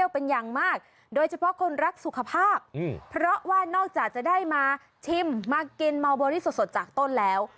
เพราะคนรักสุขภาพเพราะว่านอกจากจะได้มาชิมมากินมัลบอรี่สดจากต้นแล้ว